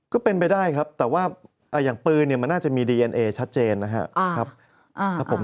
ก็เป็นมาได้ครับแต่ว่ามีดีเอ็นเอชัดเจนนะครับ